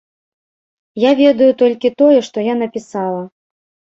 Я ведаю толькі тое, што я напісала.